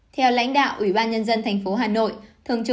theo lãnh đạo ủy ban nhân dân tp hà nội